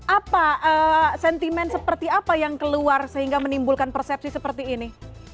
apa sentimen seperti apa yang keluar sehingga menimbulkan persepsi seperti ini